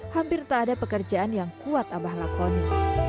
hampir tak ada pekerjaan yang kuat abah lakoni